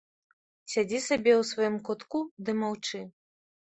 Сядзі сабе ў сваім кутку ды маўчы.